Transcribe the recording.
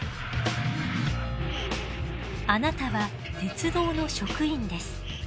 あなたは鉄道の職員です。